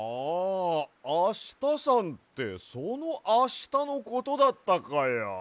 ああしたさんってそのあしたのことだったかや。